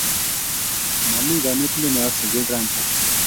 Mami kanetindenyo sukul rani